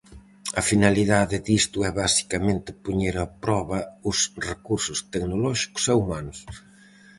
A finalidade disto é basicamente poñer a proba os recursos tecnolóxicos e humanos.